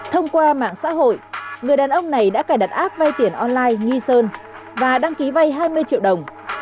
thông qua mạng xã hội người đàn ông này đã cài đặt app vay tiền online nghi sơn và đăng ký vay hai mươi triệu đồng